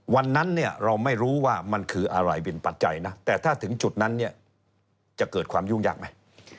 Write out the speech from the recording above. วันนั้นเนี่ยเราไม่รู้ว่ามันคืออะไรเป็นปัจจัยนะแต่ถ้าถึงจุดนั้นเนี่ยจะเกิดความยุ่งยากไหม